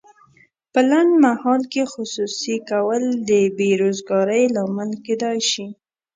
په لنډمهال کې خصوصي کول د بې روزګارۍ لامل کیدای شي.